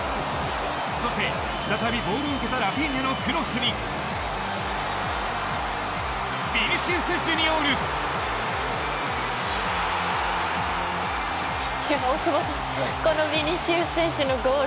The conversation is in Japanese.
そして、再びボールを受けたラフィーニャのクロスにヴィニシウス・ジュニオール！